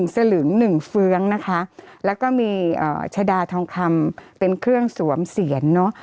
สลึง๑เฟื้องนะคะแล้วก็มีชะดาทองคำเป็นเครื่องสวมเสียนเนอะ